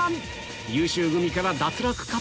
優秀組から脱落か？